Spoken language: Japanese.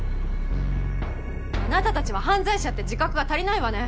あなたたちは犯罪者って自覚が足りないわね。